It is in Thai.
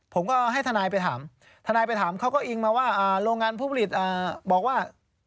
ผมก็ให้ทนายไปถามทนายไปถามเขาก็อิงมาว่าโรงงานผู้ผลิตบอกว่า